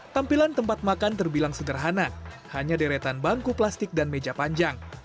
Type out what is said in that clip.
tampilan tempat makan terbilang sederhana hanya deretan bangku plastik dan meja panjang